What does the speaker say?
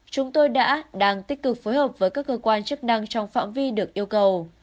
chúng tôi đã đang tích cực phối hợp với các cơ quan chức năng trong phạm vi được yêu cầu